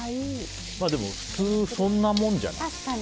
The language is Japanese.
普通はそんなもんじゃない？